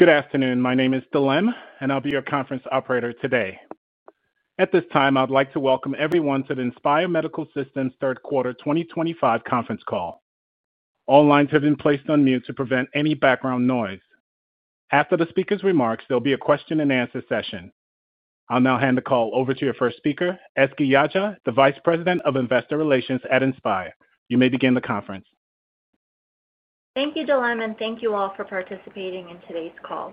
Good afternoon. My name is Dilem, and I'll be your conference operator today. At this time, I'd like to welcome everyone to the Inspire Medical Systems Third Quarter 2025 conference call. All lines have been placed on mute to prevent any background noise. After the speakers' remarks, there'll be a question-and-answer session. I'll now hand the call over to your first speaker, Ezgi Yagci, the Vice President of Investor Relations at Inspire. You may begin the conference. Thank you, Dilem, and thank you all for participating in today's call.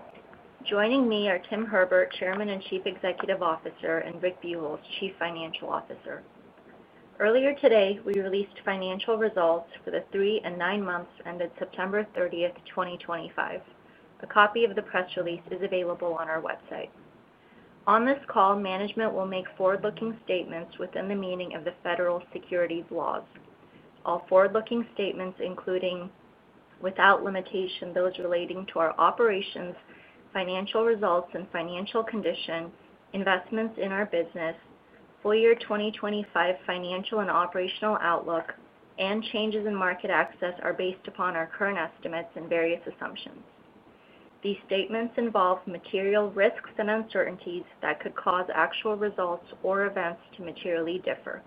Joining me are Tim Herbert, Chairman and Chief Executive Officer, and Rick Buchholz, Chief Financial Officer. Earlier today, we released financial results for the three and nine months ended September 30th, 2025. A copy of the press release is available on our website. On this call, management will make forward-looking statements within the meaning of the federal securities laws. All forward-looking statements, including, without limitation those relating to our operations, financial results, and financial condition, investments in our business, full year 2025 financial and operational outlook, and changes in market access are based upon our current estimates and various assumptions. These statements involve material risks and uncertainties that could cause actual results or events to materially differ.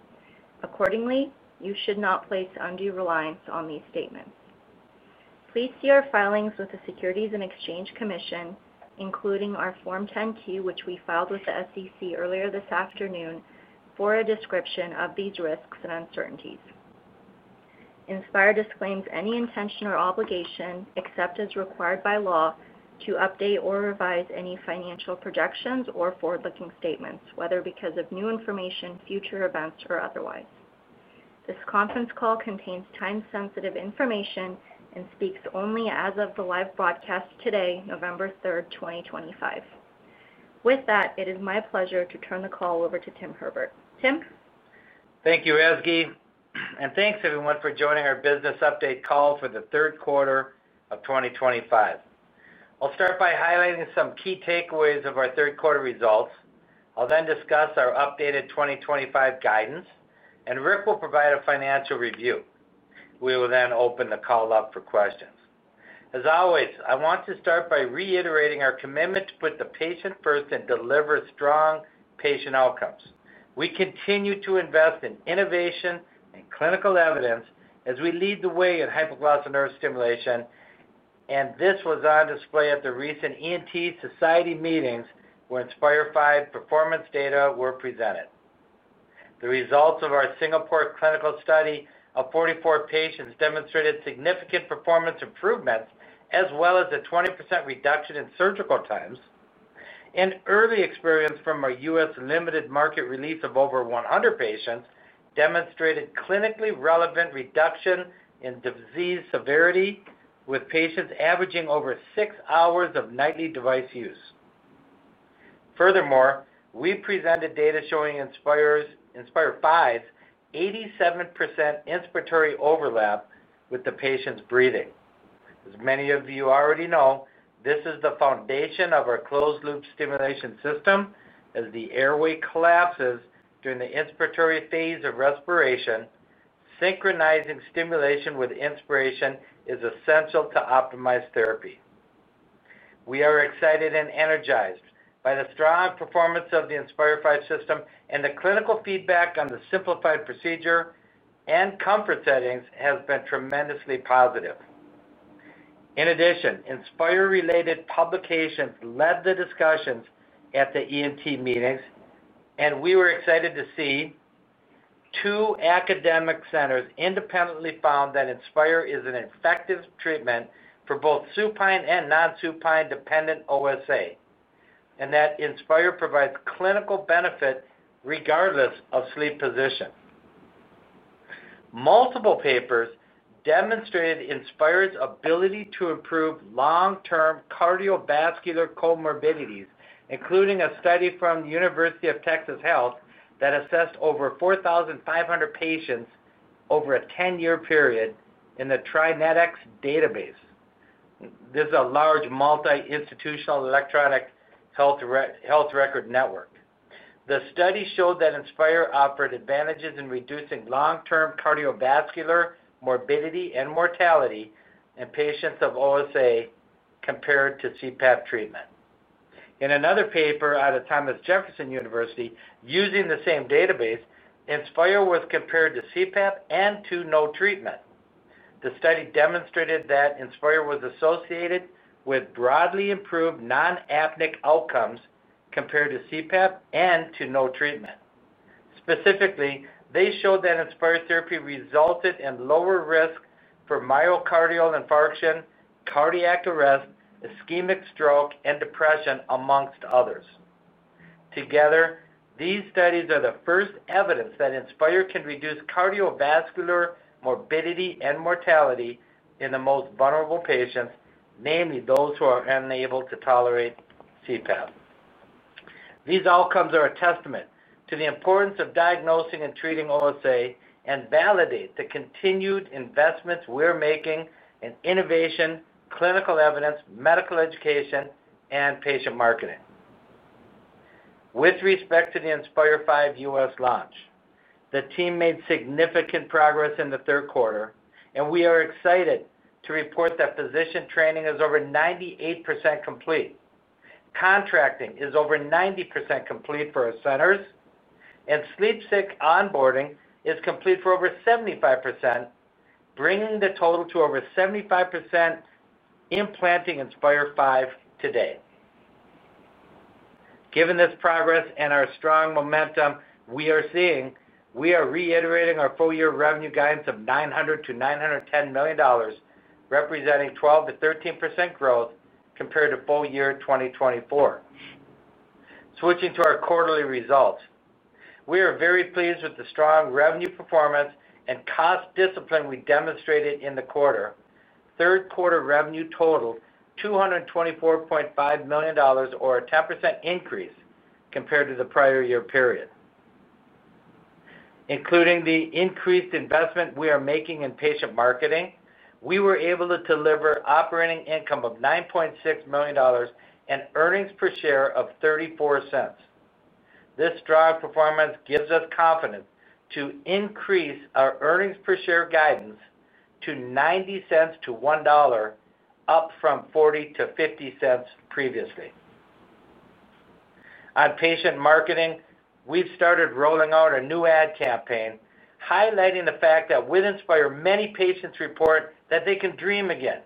Accordingly, you should not place undue reliance on these statements. Please see our filings with the Securities and Exchange Commission, including our Form 10-Q, which we filed with the SEC earlier this afternoon, for a description of these risks and uncertainties. Inspire disclaims any intention or obligation, except as required by law, to update or revise any financial projections or forward-looking statements, whether because of new information, future events, or otherwise. This conference call contains time-sensitive information and speaks only as of the live broadcast today, November 3rd, 2025. With that, it is my pleasure to turn the call over to Tim Herbert. Tim? Thank you, Ezgi. And thanks, everyone, for joining our business update call for the third quarter of 2025. I'll start by highlighting some key takeaways of our third quarter results. I'll then discuss our updated 2025 guidance, and Rick will provide a financial review. We will then open the call up for questions. As always, I want to start by reiterating our commitment to put the patient first and deliver strong patient outcomes. We continue to invest in innovation and clinical evidence as we lead the way in hyperglycinuric stimulation, and this was on display at the recent ENT society meetings where Inspire V performance data were presented. The results of our Singapore clinical study of 44 patients demonstrated significant performance improvements, as well as a 20% reduction in surgical times. Early experience from our U.S. limited market release of over 100 patients demonstrated clinically relevant reduction in disease severity, with patients averaging over six hours of nightly device use. Furthermore, we presented data showing Inspire V's 87% inspiratory overlap with the patient's breathing. As many of you already know, this is the foundation of our closed-loop stimulation system. As the airway collapses during the inspiratory phase of respiration, synchronizing stimulation with inspiration is essential to optimize therapy. We are excited and energized by the strong performance of the Inspire V system, and the clinical feedback on the simplified procedure and comfort settings has been tremendously positive. In addition, Inspire-related publications led the discussions at the ENT meetings, and we were excited to see. Two academic centers independently found that Inspire is an effective treatment for both supine and non-supine dependent OSA, and that Inspire provides clinical benefit regardless of sleep position. Multiple papers demonstrated Inspire's ability to improve long-term cardiovascular comorbidities, including a study from the University of Texas Health that assessed over 4,500 patients over a 10-year period in the TriNetX database. This is a large multi-institutional electronic health record network. The study showed that Inspire offered advantages in reducing long-term cardiovascular morbidity and mortality in patients of OSA compared to CPAP treatment. In another paper out of Thomas Jefferson University, using the same database, Inspire was compared to CPAP and to no treatment. The study demonstrated that Inspire was associated with broadly improved non-apneic outcomes compared to CPAP and to no treatment. Specifically, they showed that Inspire therapy resulted in lower risk for myocardial infarction, cardiac arrest, ischemic stroke, and depression, amongst others. Together, these studies are the first evidence that Inspire can reduce cardiovascular morbidity and mortality in the most vulnerable patients, namely those who are unable to tolerate CPAP. These outcomes are a testament to the importance of diagnosing and treating OSA and validate the continued investments we're making in innovation, clinical evidence, medical education, and patient marketing. With respect to the Inspire V U.S. launch, the team made significant progress in the third quarter, and we are excited to report that physician training is over 98% complete. Contracting is over 90% complete for our centers, and SleepSync onboarding is complete for over 75%, bringing the total to over 75% implanting Inspire V today. Given this progress and our strong momentum we are seeing, we are reiterating our full-year revenue guidance of $900 million-$910 million, representing 12%-13% growth compared to full year 2024. Switching to our quarterly results, we are very pleased with the strong revenue performance and cost discipline we demonstrated in the quarter. Third quarter revenue totaled $224.5 million, or a 10% increase compared to the prior year period. Including the increased investment we are making in patient marketing, we were able to deliver operating income of $9.6 million and earnings per share of $0.34. This strong performance gives us confidence to increase our earnings per share guidance to $0.90-$1, up from $0.40-$0.50 previously. On patient marketing, we've started rolling out a new ad campaign highlighting the fact that with Inspire, many patients report that they can dream again,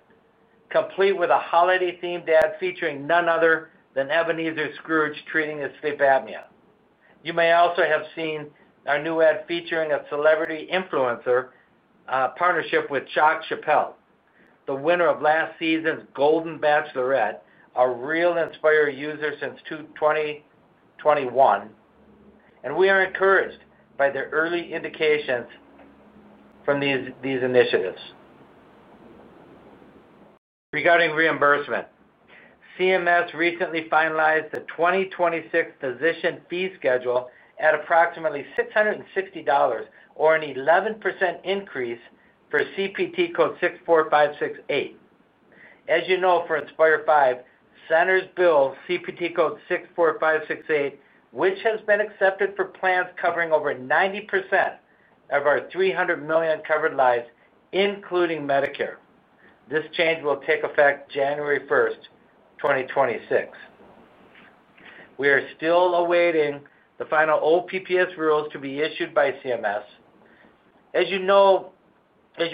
complete with a holiday-themed ad featuring none other than Ebenezer Scrooge treating his sleep apnea. You may also have seen our new ad featuring a celebrity influencer partnership with Chock Chapple, the winner of last season's Golden Bachelorette, our real Inspire user since 2021, and we are encouraged by the early indications from these initiatives. Regarding reimbursement, CMS recently finalized the 2026 physician fee schedule at approximately $660, or an 11% increase for CPT code 64568. As you know, for Inspire V, centers bill CPT code 64568, which has been accepted for plans covering over 90% of our 300 million covered lives, including Medicare. This change will take effect January 1st, 2026. We are still awaiting the final OPPS rules to be issued by CMS. As you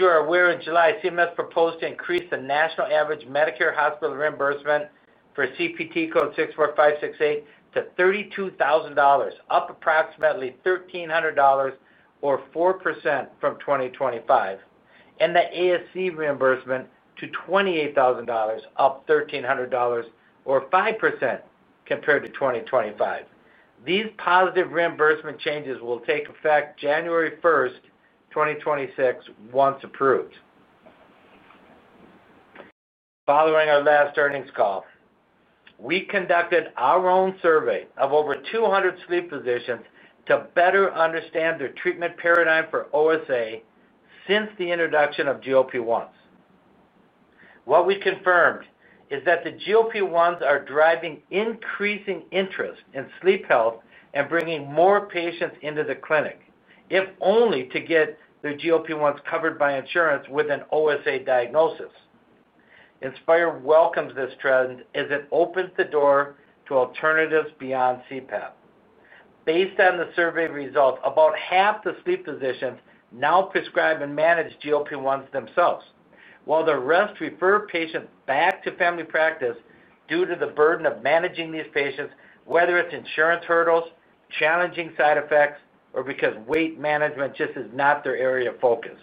are aware, in July, CMS proposed to increase the national average Medicare hospital reimbursement for CPT code 64568 to $32,000, up approximately $1,300 or 4% from 2025, and the ASC reimbursement to $28,000, up $1,300 or 5% compared to 2025. These positive reimbursement changes will take effect January 1st, 2026, once approved. Following our last earnings call, we conducted our own survey of over 200 sleep physicians to better understand their treatment paradigm for OSA since the introduction of GLP-1s. What we confirmed is that the GLP-1s are driving increasing interest in sleep health and bringing more patients into the clinic, if only to get their GLP-1s covered by insurance with an OSA diagnosis. Inspire welcomes this trend as it opens the door to alternatives beyond CPAP. Based on the survey results, about half the sleep physicians now prescribe and manage GLP-1s themselves, while the rest refer patients back to family practice due to the burden of managing these patients, whether it's insurance hurdles, challenging side effects, or because weight management just is not their area of focus.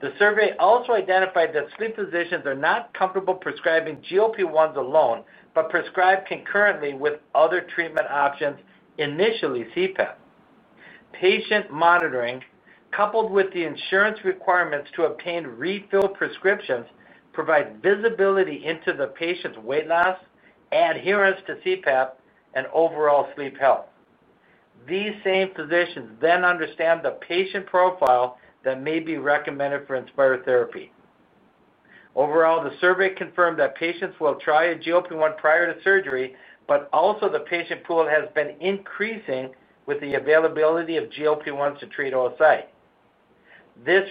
The survey also identified that sleep physicians are not comfortable prescribing GLP-1s alone, but prescribe concurrently with other treatment options, initially CPAP. Patient monitoring, coupled with the insurance requirements to obtain refill prescriptions, provides visibility into the patient's weight loss, adherence to CPAP, and overall sleep health. These same physicians then understand the patient profile that may be recommended for Inspire therapy. Overall, the survey confirmed that patients will try a GLP-1 prior to surgery, but also the patient pool has been increasing with the availability of GLP-1s to treat OSA. This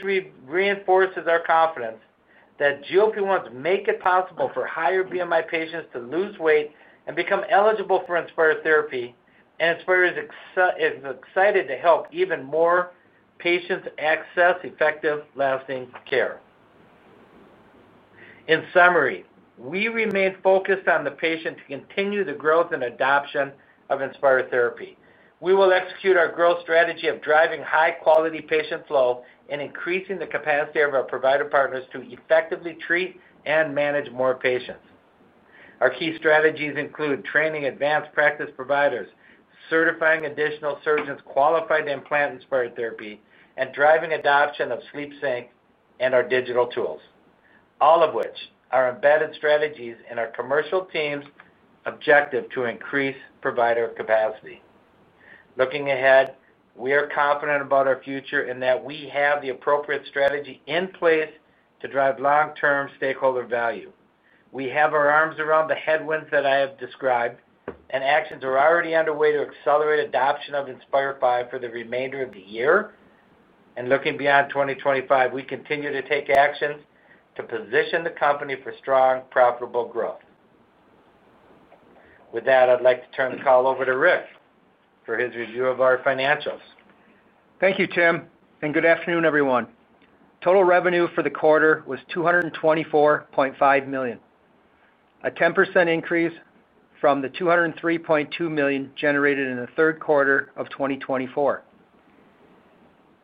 reinforces our confidence that GLP-1s make it possible for higher BMI patients to lose weight and become eligible for Inspire therapy, and Inspire is excited to help even more patients access effective, lasting care. In summary, we remain focused on the patient to continue the growth and adoption of Inspire therapy. We will execute our growth strategy of driving high-quality patient flow and increasing the capacity of our provider partners to effectively treat and manage more patients. Our key strategies include training advanced practice providers, certifying additional surgeons qualified to implant Inspire therapy, and driving adoption of SleepSync and our digital tools, all of which are embedded strategies in our commercial team's objective to increase provider capacity. Looking ahead, we are confident about our future in that we have the appropriate strategy in place to drive long-term stakeholder value. We have our arms around the headwinds that I have described, and actions are already underway to accelerate adoption of Inspire V for the remainder of the year. Looking beyond 2025, we continue to take actions to position the company for strong, profitable growth. With that, I'd like to turn the call over to Rick for his review of our financials. Thank you, Tim. And good afternoon, everyone. Total revenue for the quarter was $224.5 million, a 10% increase from the $203.2 million generated in the third quarter of 2024.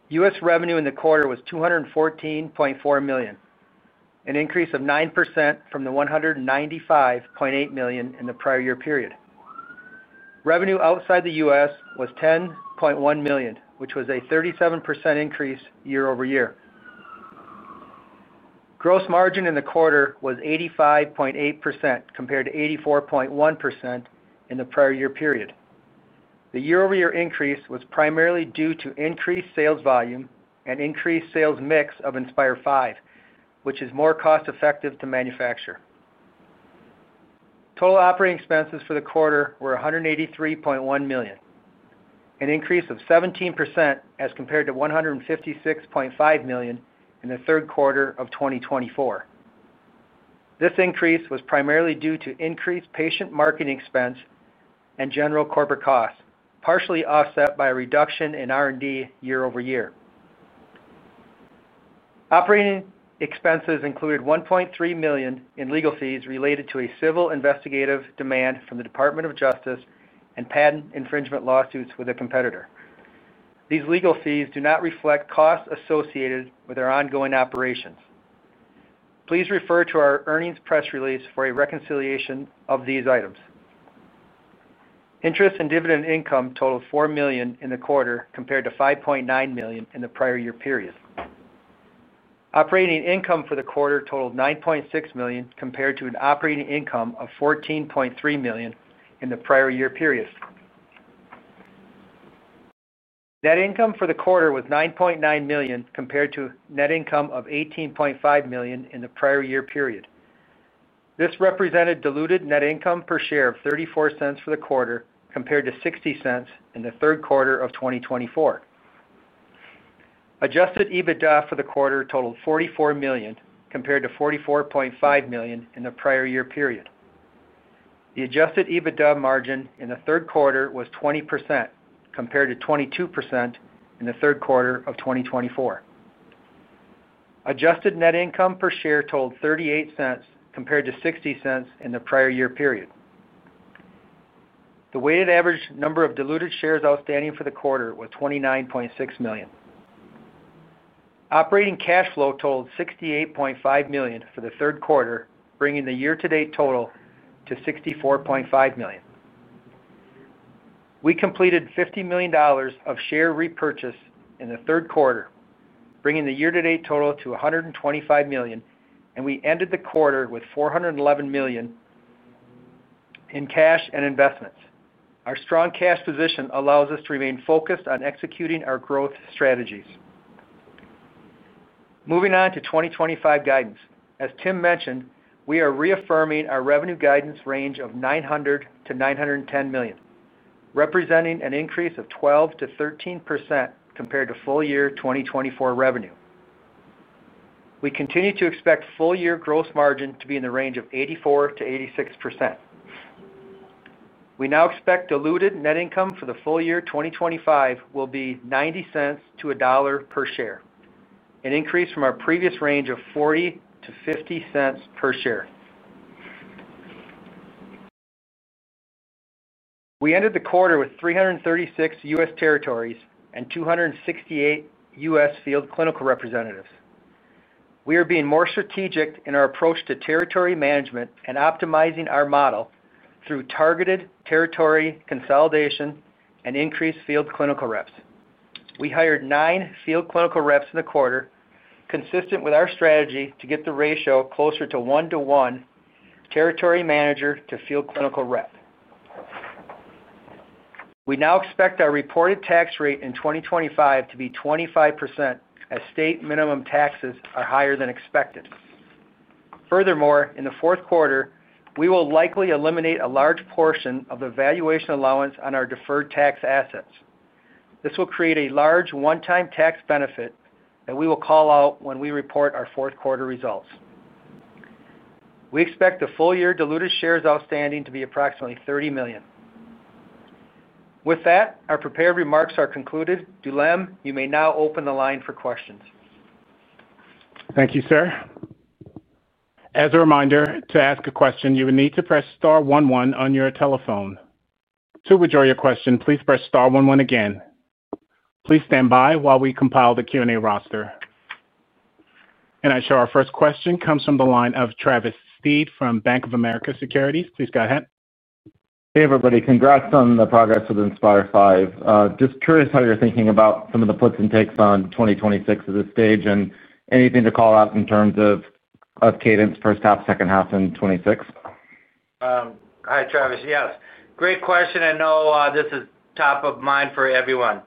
U.S. revenue in the quarter was $214.4 million, an increase of 9% from the $195.8 million in the prior year period. Revenue outside the U.S. was $10.1 million, which was a 37% increase year-over-year. Gross margin in the quarter was 85.8% compared to 84.1% in the prior year period. The year-over-year increase was primarily due to increased sales volume and increased sales mix of Inspire V, which is more cost-effective to manufacture. Total operating expenses for the quarter were $183.1 million, an increase of 17% as compared to $156.5 million in the third quarter of 2024. This increase was primarily due to increased patient marketing expense and general corporate costs, partially offset by a reduction in R&D year-over-year. Operating expenses included $1.3 million in legal fees related to a civil investigative demand from the Department of Justice and patent infringement lawsuits with a competitor. These legal fees do not reflect costs associated with our ongoing operations. Please refer to our earnings press release for a reconciliation of these items. Interest and dividend income totaled $4 million in the quarter compared to $5.9 million in the prior year period. Operating income for the quarter totaled $9.6 million compared to an operating income of $14.3 million in the prior year period. Net income for the quarter was $9.9 million compared to net income of $18.5 million in the prior year period. This represented diluted net income per share of $0.34 for the quarter compared to $0.60 in the third quarter of 2024. Adjusted EBITDA for the quarter totaled $44 million compared to $44.5 million in the prior year period. The adjusted EBITDA margin in the third quarter was 20% compared to 22% in the third quarter of 2024. Adjusted net income per share totaled $0.38 compared to $0.60 in the prior year period. The weighted average number of diluted shares outstanding for the quarter was 29.6 million. Operating cash flow totaled $68.5 million for the third quarter, bringing the year-to-date total to $64.5 million. We completed $50 million of share repurchase in the third quarter, bringing the year-to-date total to $125 million, and we ended the quarter with $411 million in cash and investments. Our strong cash position allows us to remain focused on executing our growth strategies. Moving on to 2025 guidance. As Tim mentioned, we are reaffirming our revenue guidance range of $900 million-$910 million, representing an increase of 12%-13% compared to full year 2024 revenue. We continue to expect full year gross margin to be in the range of 84%-86%. We now expect diluted net income for the full year 2025 will be $0.90-$1 per share, an increase from our previous range of $0.40-$0.50 per share. We ended the quarter with 336 U.S. territories and 268 U.S. field clinical representatives. We are being more strategic in our approach to territory management and optimizing our model through targeted territory consolidation and increased field clinical reps. We hired nine field clinical reps in the quarter, consistent with our strategy to get the ratio closer to one-to-one territory manager to field clinical rep. We now expect our reported tax rate in 2025 to be 25% as state minimum taxes are higher than expected. Furthermore, in the fourth quarter, we will likely eliminate a large portion of the valuation allowance on our deferred tax assets. This will create a large one-time tax benefit that we will call out when we report our fourth quarter results. We expect the full year diluted shares outstanding to be approximately 30 million. With that, our prepared remarks are concluded. Dilem, you may now open the line for questions. Thank you, sir. As a reminder, to ask a question, you would need to press star one one on your telephone. To withdraw your question, please press star one one again. Please stand by while we compile the Q&A roster. I show our first question comes from the line of Travis Steed from Bank of America Securities. Please go ahead. Hey, everybody. Congrats on the progress of Inspire V. Just curious how you're thinking about some of the puts and takes on 2026 at this stage and anything to call out in terms of cadence, first half, second half, and 2026. Hi, Travis. Yes. Great question. I know this is top of mind for everyone.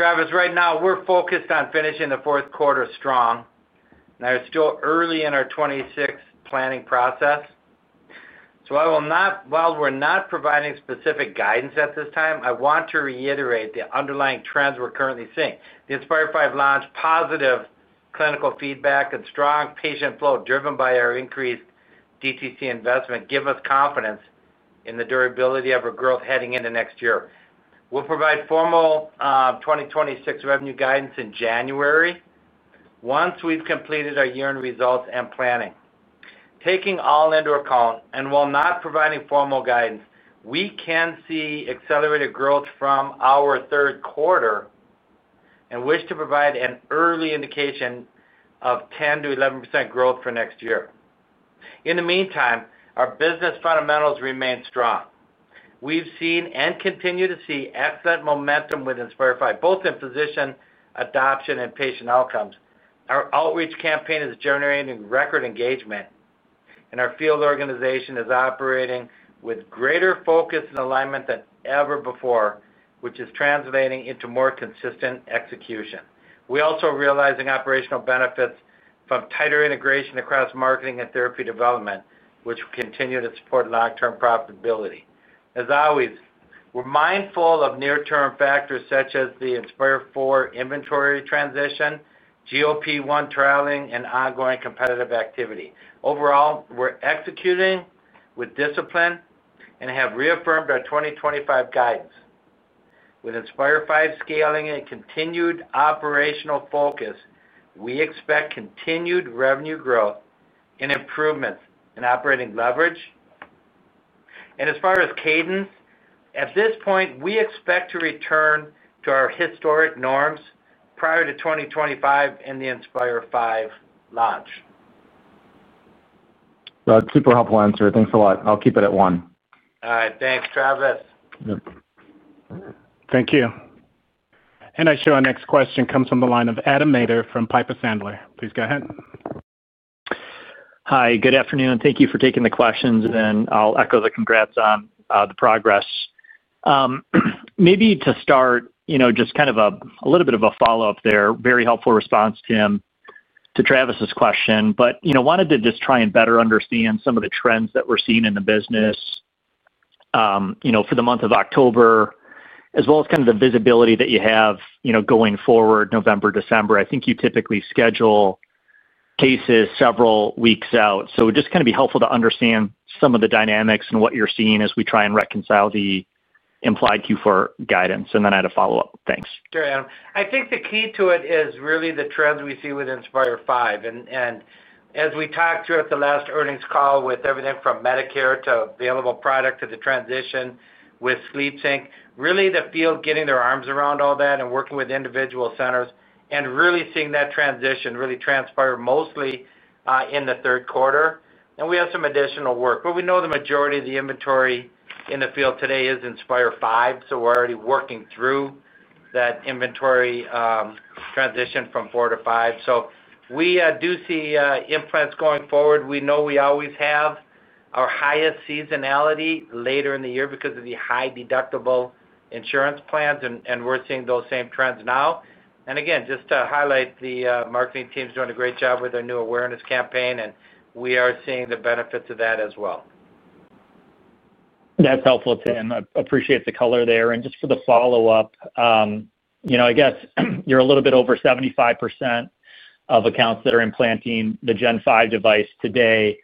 Travis, right now, we're focused on finishing the fourth quarter strong. And we're still early in our 2026 planning process. So while we're not providing specific guidance at this time, I want to reiterate the underlying trends we're currently seeing. The Inspire V launched positive clinical feedback and strong patient flow driven by our increased DTC investment gave us confidence in the durability of our growth heading into next year. We'll provide formal 2026 revenue guidance in January. Once we've completed our year-end results and planning. Taking all into account and while not providing formal guidance, we can see accelerated growth from our third quarter. And wish to provide an early indication of 10%-11% growth for next year. In the meantime, our business fundamentals remain strong. We've seen and continue to see excellent momentum with Inspire V, both in physician adoption and patient outcomes. Our outreach campaign is generating record engagement. And our field organization is operating with greater focus and alignment than ever before, which is translating into more consistent execution. We're also realizing operational benefits from tighter integration across marketing and therapy development, which will continue to support long-term profitability. As always, we're mindful of near-term factors such as the Inspire IV inventory transition, GLP-1 trialing, and ongoing competitive activity. Overall, we're executing with discipline and have reaffirmed our 2025 guidance. With Inspire V scaling and continued operational focus, we expect continued revenue growth and improvements in operating leverage. And as far as cadence, at this point, we expect to return to our historic norms prior to 2025 and the Inspire V launch. That's a super helpful answer. Thanks a lot. I'll keep it at one. All right. Thanks, Travis. Thank you. I show our next question comes from the line of Adam Maeder from Piper Sandler. Please go ahead. Hi. Good afternoon. Thank you for taking the questions. I'll echo the congrats on the progress. Maybe to start, just kind of a little bit of a follow-up there, very helpful response, Tim, to Travis's question. I wanted to just try and better understand some of the trends that we're seeing in the business. For the month of October, as well as kind of the visibility that you have going forward, November, December, I think you typically schedule cases several weeks out. It would just kind of be helpful to understand some of the dynamics and what you're seeing as we try and reconcile the implied Q4 guidance. I had a follow-up. Thanks. Sure, Adam. I think the key to it is really the trends we see with Inspire V. As we talked throughout the last earnings call with everything from Medicare to available product to the transition with SleepSync, really the field getting their arms around all that and working with individual centers and really seeing that transition really transpire mostly in the third quarter. We have some additional work. We know the majority of the inventory in the field today is Inspire V, so we're already working through that inventory. Transition from IV to V. We do see implements going forward. We know we always have our highest seasonality later in the year because of the high deductible insurance plans, and we're seeing those same trends now. Again, just to highlight the marketing team's doing a great job with our new awareness campaign, and we are seeing the benefits of that as well. That's helpful, Tim. I appreciate the color there. Just for the follow-up, I guess you're a little bit over 75% of accounts that are implanting the Gen 5 device today.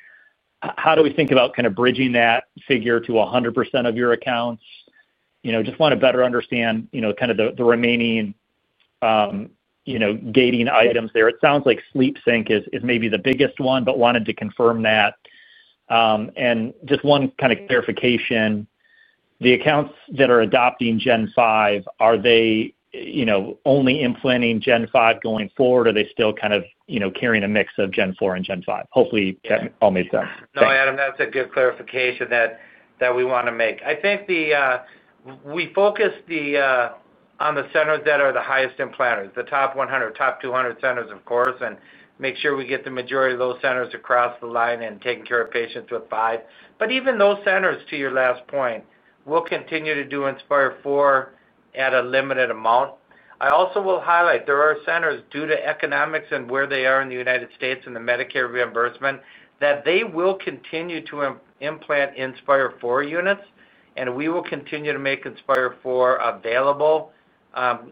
How do we think about kind of bridging that figure to 100% of your accounts? I just want to better understand kind of the remaining gating items there. It sounds like SleepSync is maybe the biggest one, but wanted to confirm that. Just one kind of clarification, the accounts that are adopting Gen 5, are they only implanting Gen 5 going forward, or are they still kind of carrying a mix of Gen 4 and Gen 5? Hopefully, that all made sense. No, Adam, that's a good clarification that we want to make. I think we focus on the centers that are the highest implanters, the top 100, top 200 centers, of course, and make sure we get the majority of those centers across the line and taking care of patients with V. Even those centers, to your last point, we'll continue to do Inspire IV at a limited amount. I also will highlight there are centers due to economics and where they are in the United States and the Medicare reimbursement that they will continue to implant Inspire IV units, and we will continue to make Inspire IV available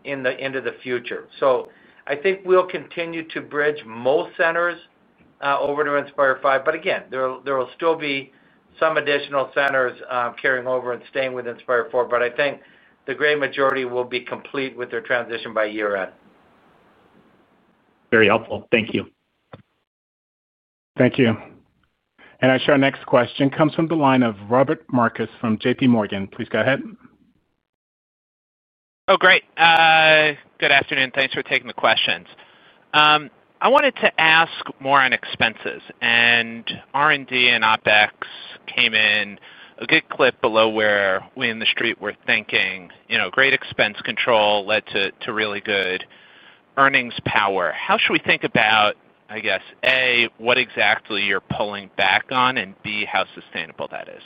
in the future. I think we'll continue to bridge most centers over to Inspire V. Again, there will still be some additional centers carrying over and staying with Inspire IV, but I think the great majority will be complete with their transition by year-end. Very helpful. Thank you. Thank you. I show our next question comes from the line of Robert Marcus from JPMorgan. Please go ahead. Oh, great. Good afternoon. Thanks for taking the questions. I wanted to ask more on expenses. R&D and OpEx came in a good clip below where we in the street were thinking. Great expense control led to really good earnings power. How should we think about, I guess, A, what exactly you're pulling back on, and B, how sustainable that is?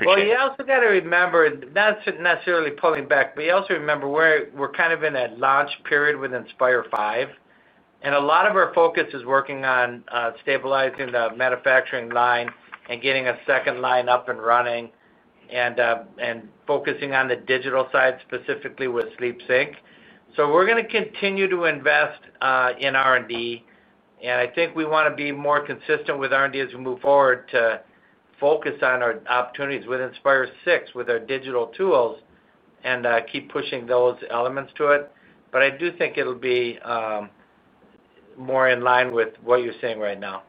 You also got to remember, not necessarily pulling back, but you also remember we're kind of in a launch period with Inspire V. A lot of our focus is working on stabilizing the manufacturing line and getting a second line up and running and focusing on the digital side, specifically with SleepSync. We're going to continue to invest in R&D. I think we want to be more consistent with R&D as we move forward to focus on our opportunities with Inspire VI, with our digital tools, and keep pushing those elements to it. I do think it'll be more in line with what you're seeing right now.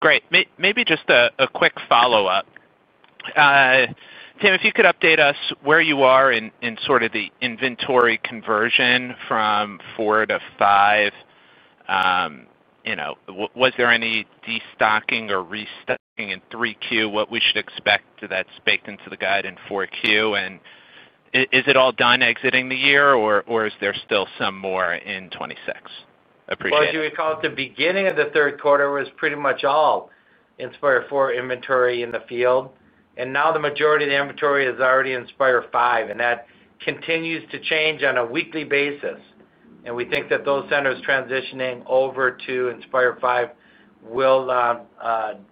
Great. Maybe just a quick follow-up. Tim, if you could update us where you are in sort of the inventory conversion from IV to V. Was there any destocking or restocking in 3Q? What we should expect that's baked into the guide in 4Q? Is it all done exiting the year, or is there still some more in 2026? Appreciate it. At the beginning of the third quarter, it was pretty much all Inspire IV inventory in the field. Now the majority of the inventory is already Inspire V, and that continues to change on a weekly basis. We think that those centers transitioning over to Inspire V will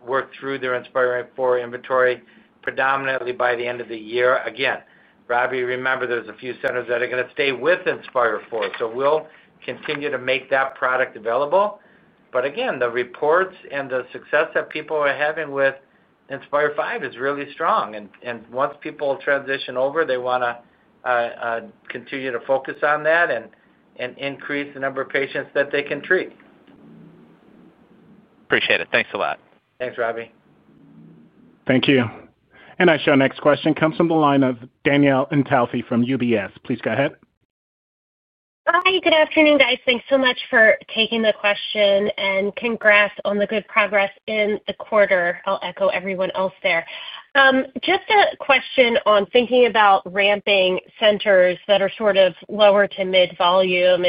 work through their Inspire IV inventory predominantly by the end of the year. Rob, you remember there's a few centers that are going to stay with Inspire IV. We will continue to make that product available. The reports and the success that people are having with Inspire V is really strong. Once people transition over, they want to continue to focus on that and increase the number of patients that they can treat. Appreciate it. Thanks a lot. Thanks, Robbie. Thank you. I show our next question comes from the line of Danielle Antalffy from UBS. Please go ahead. Hi, good afternoon, guys. Thanks so much for taking the question and congrats on the good progress in the quarter. I'll echo everyone else there. Just a question on thinking about ramping centers that are sort of lower to mid-volume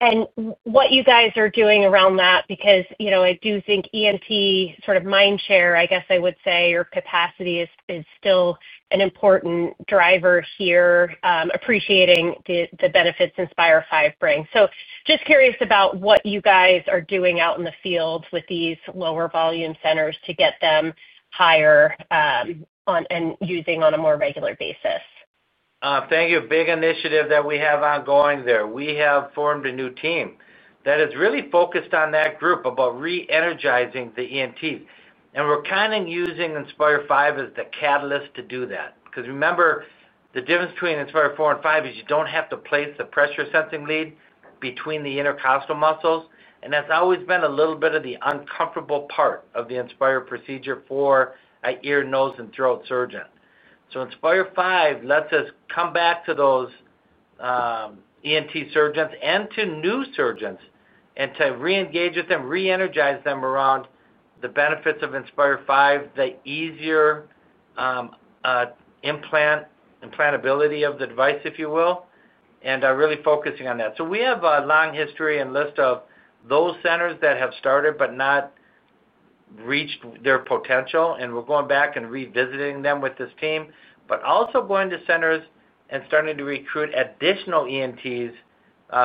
and what you guys are doing around that because I do think ENT sort of mind share, I guess I would say, or capacity is still an important driver here, appreciating the benefits Inspire V brings. Just curious about what you guys are doing out in the field with these lower volume centers to get them higher and using on a more regular basis. Thank you. Big initiative that we have ongoing there. We have formed a new team that is really focused on that group about re-energizing the ENTs. And we're kind of using Inspire V as the catalyst to do that. Because remember, the difference between Inspire IV and V is you don't have to place the pressure sensing lead between the intercostal muscles. And that's always been a little bit of the uncomfortable part of the Inspire procedure for an ear, nose, and throat surgeon. Inspire V lets us come back to those ENT surgeons and to new surgeons and to re-engage with them, re-energize them around the benefits of Inspire V, the easier implant, implantability of the device, if you will, and really focusing on that. We have a long history and list of those centers that have started but not reached their potential, and we're going back and revisiting them with this team, but also going to centers and starting to recruit additional ENTs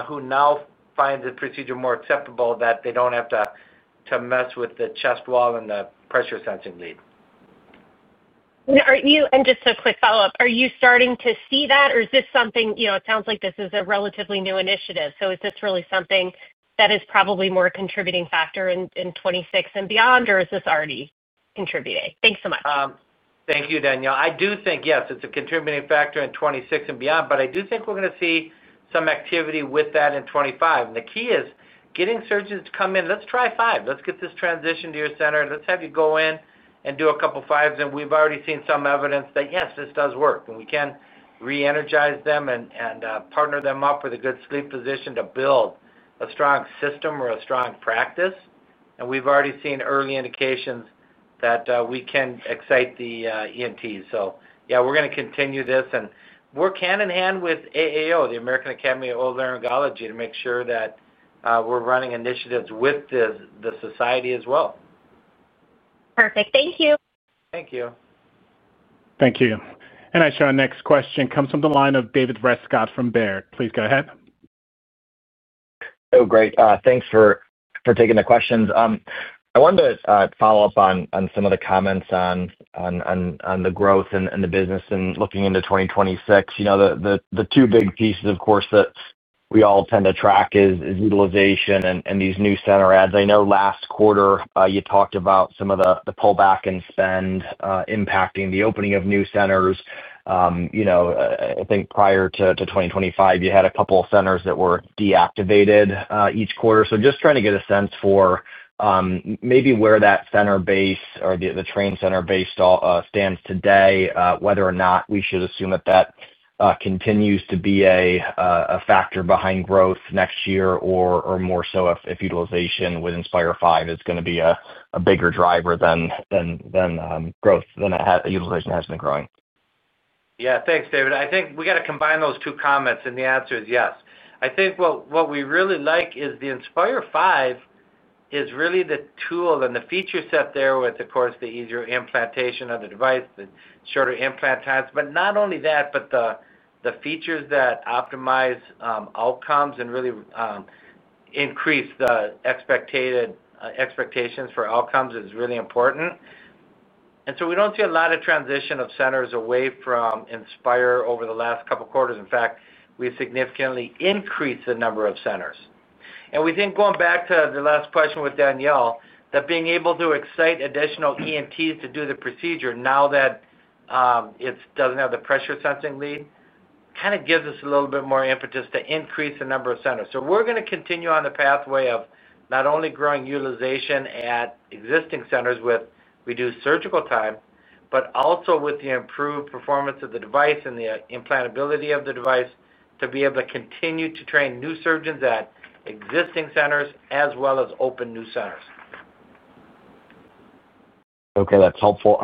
who now find the procedure more acceptable that they don't have to mess with the chest wall and the pressure sensing lead. Just a quick follow-up, are you starting to see that, or is this something it sounds like this is a relatively new initiative? Is this really something that is probably more a contributing factor in 2026 and beyond, or is this already contributing? Thanks so much. Thank you, Danielle. I do think, yes, it's a contributing factor in 2026 and beyond, but I do think we're going to see some activity with that in 2025. The key is getting surgeons to come in. Let's try V. Let's get this transition to your center. Let's have you go in and do a couple of Vs. We've already seen some evidence that, yes, this does work. We can re-energize them and partner them up with a good sleep physician to build a strong system or a strong practice. We've already seen early indications that we can excite the ENTs. Yeah, we're going to continue this. We're hand in hand with AAO, the American Academy of Otolaryngology, to make sure that we're running initiatives with the society as well. Perfect. Thank you. Thank you. Thank you. I show our next question comes from the line of David Rescott from Baird. Please go ahead. Oh, great. Thanks for taking the questions. I wanted to follow up on some of the comments on the growth and the business and looking into 2026. The two big pieces, of course, that we all tend to track is utilization and these new center ads. I know last quarter, you talked about some of the pullback in spend impacting the opening of new centers. I think prior to 2025, you had a couple of centers that were deactivated each quarter. So just trying to get a sense for maybe where that center base or the trained center base stands today, whether or not we should assume that that continues to be a factor behind growth next year or more so if utilization with Inspire V is going to be a bigger driver than growth than utilization has been growing. Yeah. Thanks, David. I think we got to combine those two comments, and the answer is yes. I think what we really like is the Inspire V is really the tool and the feature set there with, of course, the easier implantation of the device, the shorter implant times. Not only that, but the features that optimize outcomes and really increase the expectations for outcomes is really important. We do not see a lot of transition of centers away from Inspire over the last couple of quarters. In fact, we significantly increased the number of centers. We think going back to the last question with Danielle, that being able to excite additional ENTs to do the procedure now that it does not have the pressure sensing lead kind of gives us a little bit more impetus to increase the number of centers. We are going to continue on the pathway of not only growing utilization at existing centers with reduced surgical time, but also with the improved performance of the device and the implantability of the device to be able to continue to train new surgeons at existing centers as well as open new centers. Okay. That's helpful.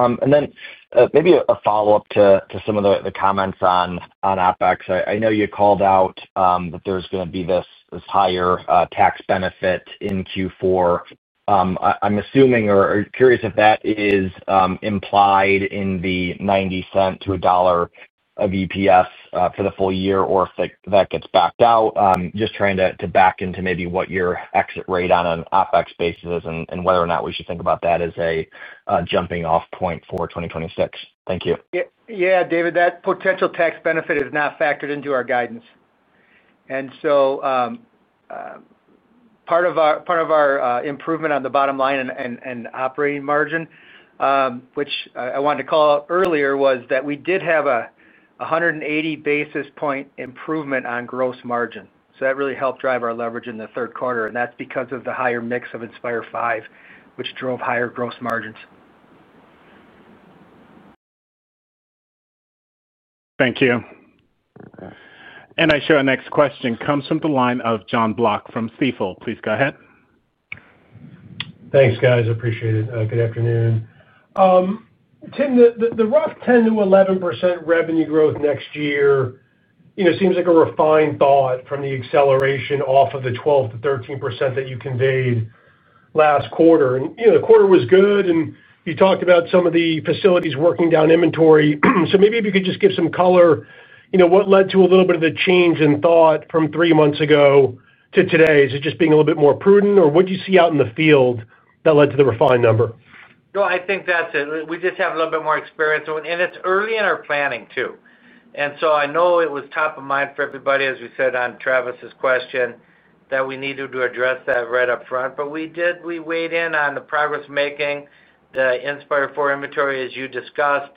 Maybe a follow-up to some of the comments on OpEx. I know you called out that there's going to be this higher tax benefit in Q4. I'm assuming or curious if that is implied in the $0.90-$1 of EPS for the full year or if that gets backed out. Just trying to back into maybe what your exit rate on an OpEx basis is and whether or not we should think about that as a jumping-off point for 2026. Thank you. Yeah, David, that potential tax benefit is not factored into our guidance. Part of our improvement on the bottom line and operating margin, which I wanted to call out earlier, was that we did have a 180 basis point improvement on gross margin. That really helped drive our leverage in the third quarter. That is because of the higher mix of Inspire V, which drove higher gross margins. Thank you. I show our next question comes from the line of Jon Block from Stifel. Please go ahead. Thanks, guys. Appreciate it. Good afternoon. Tim, the rough 10%-11% revenue growth next year. Seems like a refined thought from the acceleration off of the 12%-13% that you conveyed last quarter. The quarter was good, and you talked about some of the facilities working down inventory. Maybe if you could just give some color, what led to a little bit of the change in thought from three months ago to today? Is it just being a little bit more prudent, or what do you see out in the field that led to the refined number? No, I think that's it. We just have a little bit more experience. And it's early in our planning, too. I know it was top of mind for everybody, as we said on Travis's question, that we needed to address that right up front. We did, we weighed in on the progress-making, the Inspire IV inventory, as you discussed.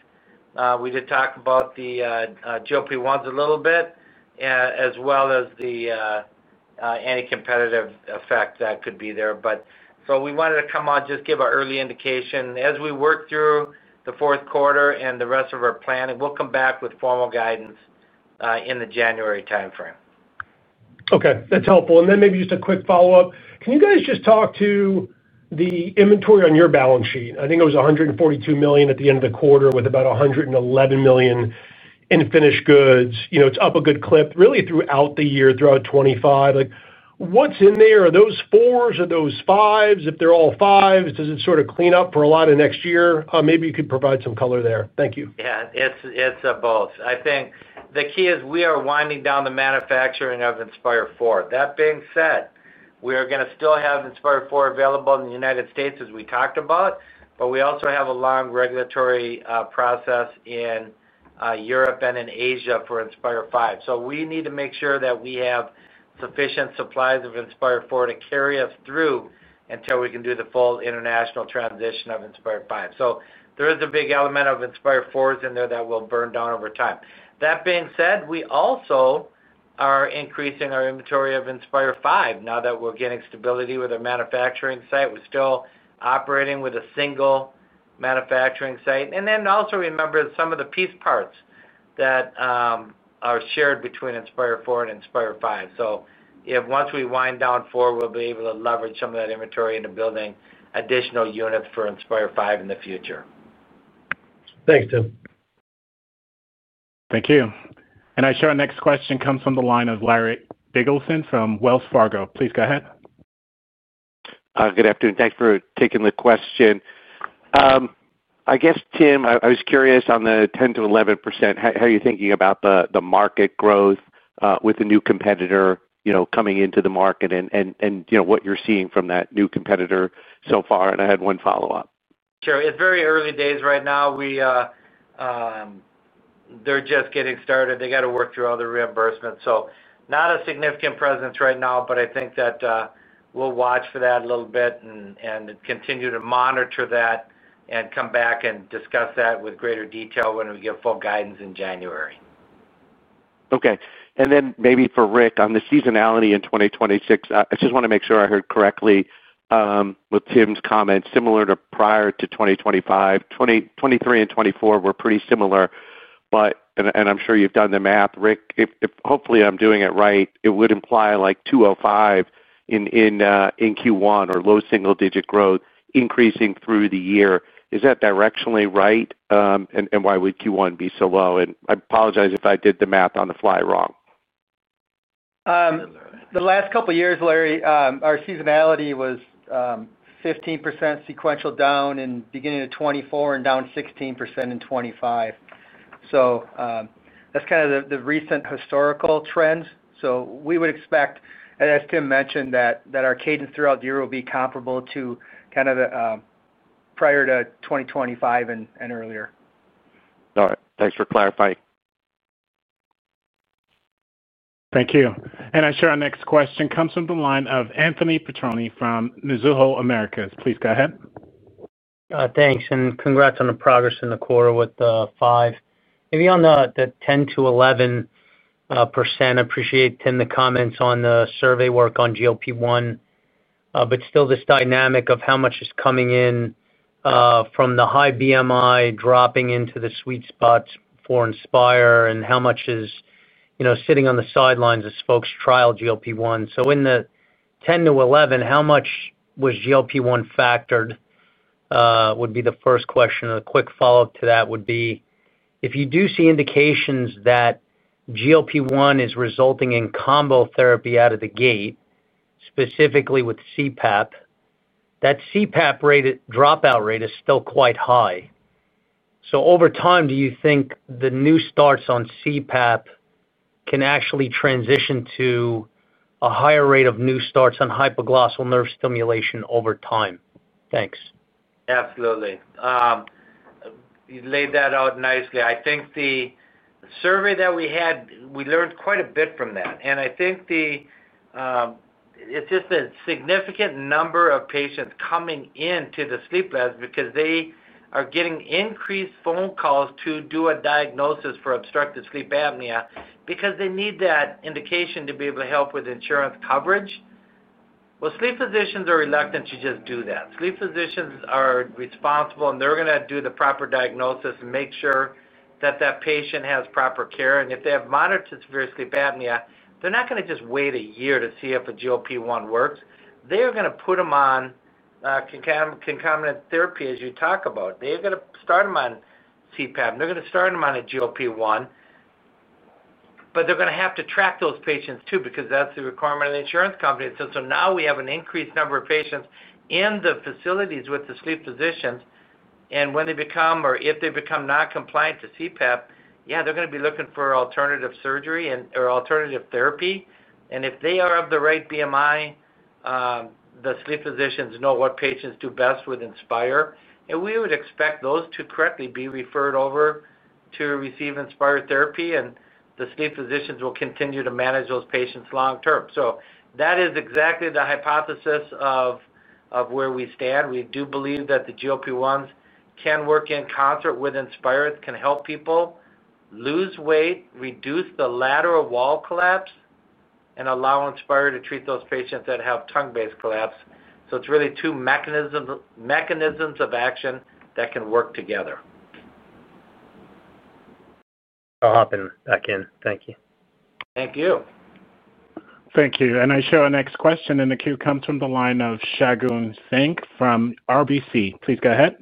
We did talk about the GLP-1s a little bit, as well as the anti-competitive effect that could be there. We wanted to come out, just give an early indication. As we work through the fourth quarter and the rest of our planning, we'll come back with formal guidance in the January timeframe. Okay. That's helpful. Maybe just a quick follow-up. Can you guys just talk to the inventory on your balance sheet? I think it was $142 million at the end of the quarter with about $111 million in finished goods. It's up a good clip, really, throughout the year, throughout 2025. What's in there? Are those IVs? Are those Vs? If they're all Vs, does it sort of clean up for a lot of next year? Maybe you could provide some color there. Thank you. Yeah. It's both. I think the key is we are winding down the manufacturing of Inspire IV. That being said, we are going to still have Inspire IV available in the United States, as we talked about, but we also have a long regulatory process in Europe and in Asia for Inspire V. We need to make sure that we have sufficient supplies of Inspire IV to carry us through until we can do the full international transition of Inspire V. There is a big element of Inspire IVs in there that will burn down over time. That being said, we also are increasing our inventory of Inspire V now that we're getting stability with our manufacturing site. We're still operating with a single manufacturing site. Also remember some of the piece parts that are shared between Inspire IV and Inspire V. Once we wind down IV, we'll be able to leverage some of that inventory into building additional units for Inspire V in the future. Thanks, Tim. Thank you. I show our next question comes from the line of Larry Biegelsen from Wells Fargo. Please go ahead. Good afternoon. Thanks for taking the question. I guess, Tim, I was curious on the 10%-11%, how are you thinking about the market growth with a new competitor coming into the market and what you're seeing from that new competitor so far? I had one follow-up. Sure. It's very early days right now. They are just getting started. They got to work through all the reimbursements. Not a significant presence right now, but I think that we'll watch for that a little bit and continue to monitor that and come back and discuss that with greater detail when we get full guidance in January. Okay. And then maybe for Rick on the seasonality in 2026, I just want to make sure I heard correctly. With Tim's comments, similar to prior to 2025. 2023 and 2024 were pretty similar, and I'm sure you've done the math. Rick, if hopefully I'm doing it right, it would imply like 205 in Q1 or low single-digit growth increasing through the year. Is that directionally right? Why would Q1 be so low? I apologize if I did the math on the fly wrong. The last couple of years, Larry, our seasonality was 15% sequential down in beginning of 2024 and down 16% in 2025. That is kind of the recent historical trends. We would expect, as Tim mentioned, that our cadence throughout the year will be comparable to kind of prior to 2025 and earlier. All right. Thanks for clarifying. Thank you. I show our next question comes from the line of Anthony Petrone from Mizuho Americas. Please go ahead. Thanks. And congrats on the progress in the quarter with the V. Maybe on the 10%-11%. I appreciate, Tim, the comments on the survey work on GLP-1. But still this dynamic of how much is coming in from the high BMI dropping into the sweet spots for Inspire and how much is sitting on the sidelines as folks trial GLP-1. In the 10%-11%, how much was GLP-1 factored would be the first question. A quick follow-up to that would be, if you do see indications that GLP-1 is resulting in combo therapy out of the gate, specifically with CPAP, that CPAP dropout rate is still quite high. Over time, do you think the new starts on CPAP can actually transition to a higher rate of new starts on hypoglossal nerve stimulation over time? Thanks. Absolutely. You laid that out nicely. I think the survey that we had, we learned quite a bit from that. I think it's just a significant number of patients coming into the sleep labs because they are getting increased phone calls to do a diagnosis for obstructive sleep apnea because they need that indication to be able to help with insurance coverage. Sleep physicians are reluctant to just do that. Sleep physicians are responsible, and they're going to do the proper diagnosis and make sure that that patient has proper care. If they have moderate to severe sleep apnea, they're not going to just wait a year to see if a GLP-1 works. They are going to put them on concomitant therapy, as you talk about. They're going to start them on CPAP. They're going to start them on a GLP-1. They're going to have to track those patients, too, because that's the requirement of the insurance company. Now we have an increased number of patients in the facilities with the sleep physicians. When they become or if they become non-compliant to CPAP, yeah, they're going to be looking for alternative surgery or alternative therapy. If they are of the right BMI, the sleep physicians know what patients do best with Inspire. We would expect those to correctly be referred over to receive Inspire therapy, and the sleep physicians will continue to manage those patients long term. That is exactly the hypothesis of where we stand. We do believe that the GLP-1s can work in concert with Inspire. It can help people lose weight, reduce the lateral wall collapse, and allow Inspire to treat those patients that have tongue-based collapse. It's really two mechanisms of action that can work together. I'll hop back in. Thank you. Thank you. Thank you. I show our next question in the queue comes from the line of Shagun Singh from RBC. Please go ahead.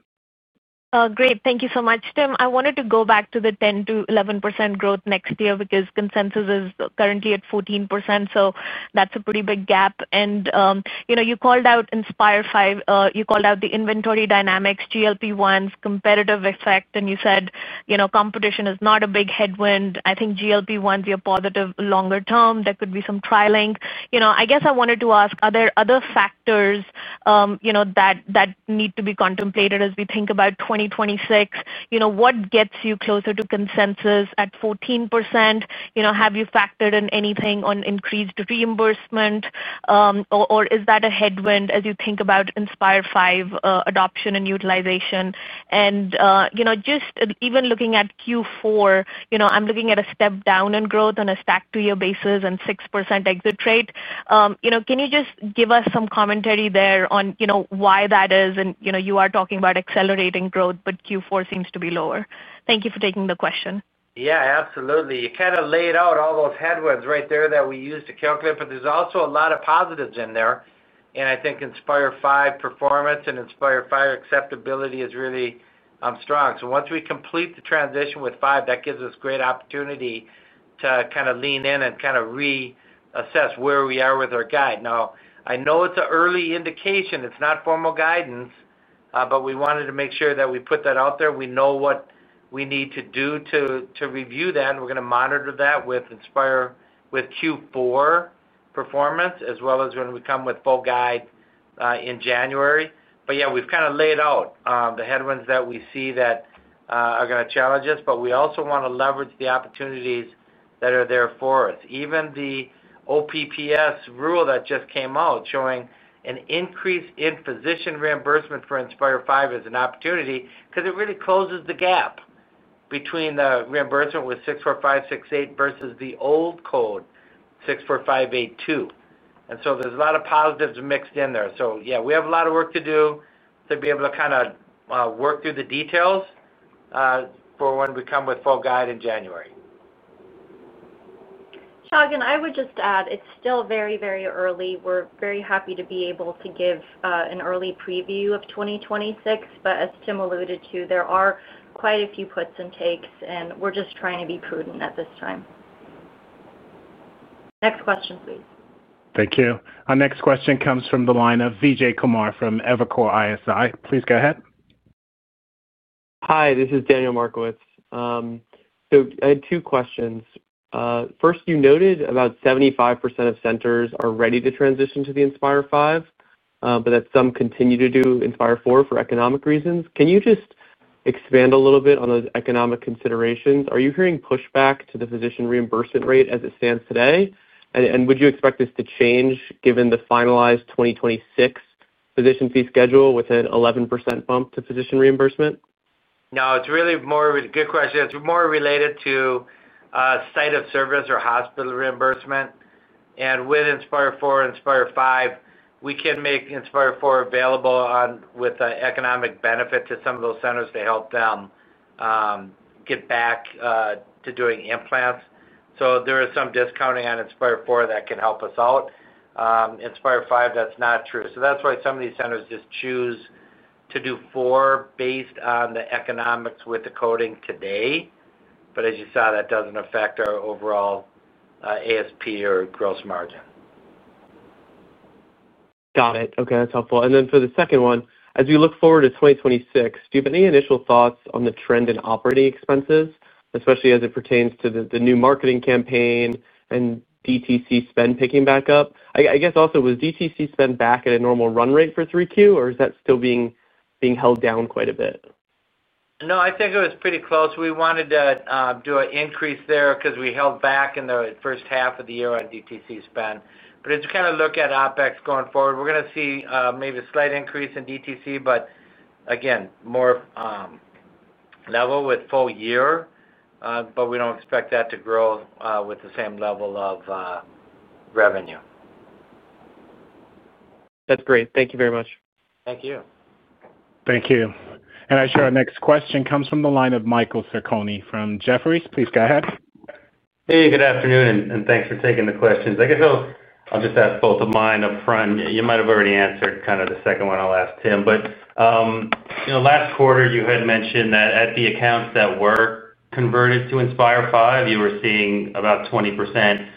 Great. Thank you so much, Tim. I wanted to go back to the 10%-11% growth next year because consensus is currently at 14%. That is a pretty big gap. You called out Inspire V. You called out the inventory dynamics, GLP-1s, competitive effect, and you said competition is not a big headwind. I think GLP-1s are positive longer term. There could be some trialing. I guess I wanted to ask, are there other factors that need to be contemplated as we think about 2026? What gets you closer to consensus at 14%? Have you factored in anything on increased reimbursement, or is that a headwind as you think about Inspire V adoption and utilization? Just even looking at Q4, I am looking at a step down in growth on a stack-to-year basis and 6% exit rate. Can you just give us some commentary there on why that is? You are talking about accelerating growth, but Q4 seems to be lower. Thank you for taking the question. Yeah, absolutely. You kind of laid out all those headwinds right there that we use to calculate. But there's also a lot of positives in there. And I think Inspire V performance and Inspire V acceptability is really strong. So once we complete the transition with V, that gives us great opportunity to kind of lean in and kind of reassess where we are with our guide. Now, I know it's an early indication. It's not formal guidance, but we wanted to make sure that we put that out there. We know what we need to do to review that. We're going to monitor that with Q4 performance, as well as when we come with full guide in January. But yeah, we've kind of laid out the headwinds that we see that are going to challenge us. But we also want to leverage the opportunities that are there for us. Even the OPPS rule that just came out showing an increase in physician reimbursement for Inspire V is an opportunity because it really closes the gap between the reimbursement with 64568 versus the old code 64582. And so there's a lot of positives mixed in there. So yeah, we have a lot of work to do to be able to kind of work through the details. For when we come with full guide in January. Shagun, I would just add, it's still very, very early. We're very happy to be able to give an early preview of 2026. As Tim alluded to, there are quite a few puts and takes, and we're just trying to be prudent at this time. Next question, please. Thank you. Our next question comes from the line of Vijay Kumar from Evercore ISI. Please go ahead. Hi, this is Daniel Markowitz. I had two questions. First, you noted about 75% of centers are ready to transition to the Inspire V, but that some continue to do Inspire IV for economic reasons. Can you just expand a little bit on those economic considerations? Are you hearing pushback to the physician reimbursement rate as it stands today? Would you expect this to change given the finalized 2026 physician fee schedule with an 11% bump to physician reimbursement? No, it's really more of a good question. It's more related to site of service or hospital reimbursement. With Inspire IV and Inspire V, we can make Inspire IV available with an economic benefit to some of those centers to help them get back to doing implants. There is some discounting on Inspire IV that can help us out. Inspire V, that's not true. That is why some of these centers just choose to do IV based on the economics with the coding today. As you saw, that doesn't affect our overall ASP or gross margin. Got it. Okay. That's helpful. For the second one, as we look forward to 2026, do you have any initial thoughts on the trend in operating expenses, especially as it pertains to the new marketing campaign and DTC spend picking back up? I guess also, was DTC spend back at a normal run rate for 3Q, or is that still being held down quite a bit? No, I think it was pretty close. We wanted to do an increase there because we held back in the first half of the year on DTC spend. It's kind of look at OpEx going forward. We're going to see maybe a slight increase in DTC, again, more level with full year. We don't expect that to grow with the same level of revenue. That's great. Thank you very much. Thank you. Thank you. I show our next question comes from the line of Michael Sarcone from Jefferies. Please go ahead. Hey, good afternoon, and thanks for taking the questions. I guess I'll just ask both of mine up front. You might have already answered kind of the second one I'll ask, Tim. Last quarter, you had mentioned that at the accounts that were converted to Inspire V, you were seeing about 20%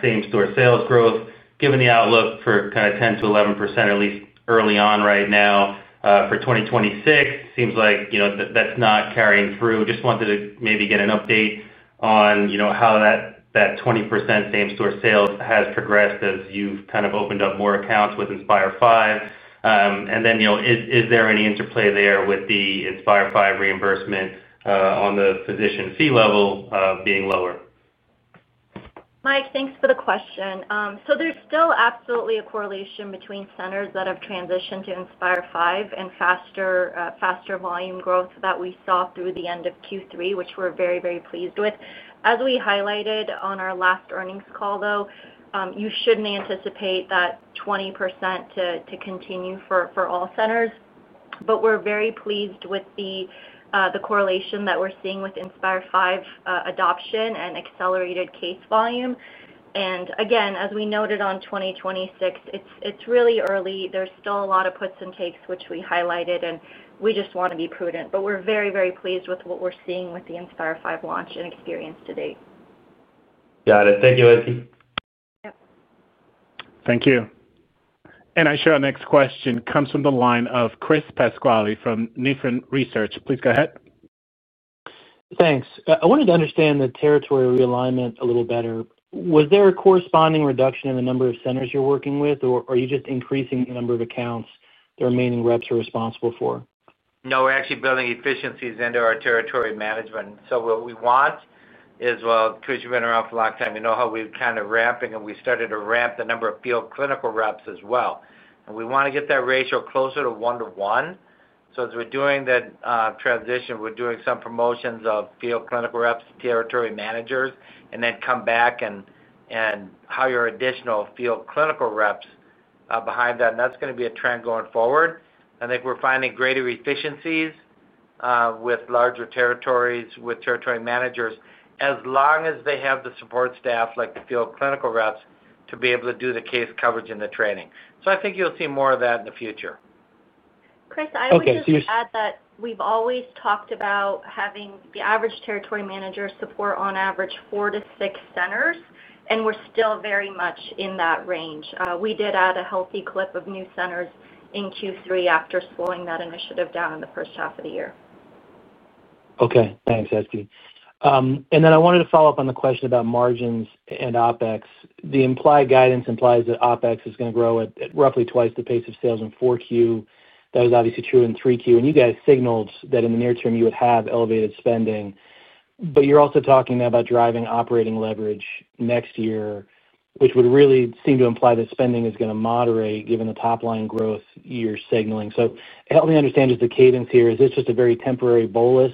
same-store sales growth. Given the outlook for kind of 10%-11%, at least early on right now for 2026, seems like that's not carrying through. Just wanted to maybe get an update on how that 20% same-store sales has progressed as you've kind of opened up more accounts with Inspire V. And then is there any interplay there with the Inspire V reimbursement on the physician fee level being lower? Mike, thanks for the question. There's still absolutely a correlation between centers that have transitioned to Inspire V and faster volume growth that we saw through the end of Q3, which we're very, very pleased with. As we highlighted on our last earnings call, though, you shouldn't anticipate that 20% to continue for all centers. We're very pleased with the correlation that we're seeing with Inspire V adoption and accelerated case volume. Again, as we noted on 2026, it's really early. There's still a lot of puts and takes, which we highlighted, and we just want to be prudent. We're very, very pleased with what we're seeing with the Inspire V launch and experience today. Got it. Thank you, Ezgi. Yep. Thank you. I show our next question comes from the line of Chris Pasquale from Nephron Research. Please go ahead. Thanks. I wanted to understand the territory realignment a little better. Was there a corresponding reduction in the number of centers you're working with, or are you just increasing the number of accounts the remaining reps are responsible for? No, we're actually building efficiencies into our territory management. What we want is, well, Chris, you've been around for a long time. You know how we've kind of ramped, and we started to ramp the number of field clinical reps as well. We want to get that ratio closer to one to one. As we're doing that transition, we're doing some promotions of field clinical reps and territory managers and then come back and hire additional field clinical reps behind that. That's going to be a trend going forward. I think we're finding greater efficiencies with larger territories with territory managers, as long as they have the support staff like the field clinical reps to be able to do the case coverage and the training. I think you'll see more of that in the future. Chris, I would just add that we've always talked about having the average territory manager support on average 4-6 centers, and we're still very much in that range. We did add a healthy clip of new centers in Q3 after slowing that initiative down in the first half of the year. Okay. Thanks, Ezgi. I wanted to follow up on the question about margins and OpEx. The implied guidance implies that OpEx is going to grow at roughly twice the pace of sales in Q4. That was obviously true in Q3. You guys signaled that in the near term you would have elevated spending. You are also talking about driving operating leverage next year, which would really seem to imply that spending is going to moderate given the top-line growth you are signaling. Help me understand just the cadence here. Is this just a very temporary bolus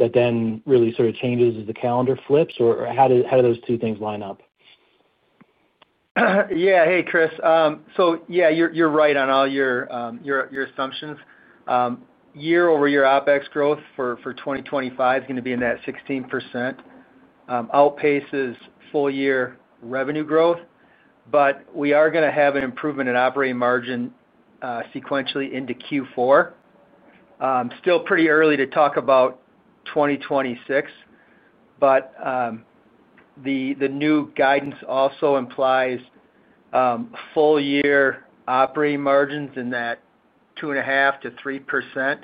that then really sort of changes as the calendar flips? How do those two things line up? Yeah. Hey, Chris. So yeah, you're right on all your assumptions. Year-over-year OpEx growth for 2025 is going to be in that 16%. Outpaces full-year revenue growth. We are going to have an improvement in operating margin sequentially into Q4. Still pretty early to talk about 2026. The new guidance also implies full-year operating margins in that 2.5%-3%.